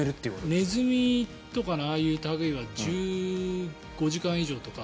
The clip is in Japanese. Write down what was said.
ネズミとかああいう類いは１５時間以上とか。